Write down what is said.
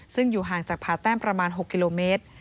ซึ่งอยู่ห่างจากผ่าแต้มประมาณ๖กิโลเมตร